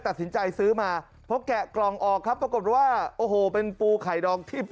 ตัดสินใจซื้อมาเพราะแกะกล่องออกครับปรากฏว่าโอ้โหเป็นปูไข่ดองที่